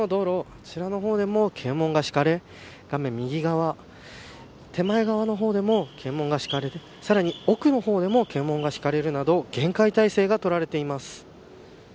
こちらの方でも検問が敷かれ画面右側、手前側の方でも検問が敷かれさらに奥の方でも検問が敷かれるなど厳戒態勢が取られています。